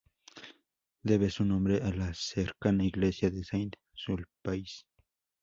Debe su nombre a la cercana Iglesia de Saint-Sulpice.